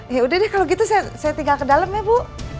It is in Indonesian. ya udah deh kalau gitu saya tinggal ke dalam ya bu